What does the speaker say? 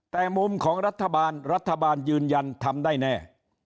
แต่มุมของรัฐบาลรัฐบาลยืนยันทำได้แน่